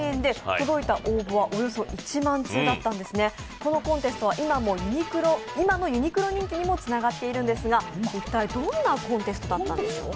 このコンテストは今のユニクロ人気にもつながっているんですが一体どんなコンテストだったのでしょうか。